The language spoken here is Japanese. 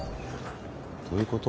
どういうこと？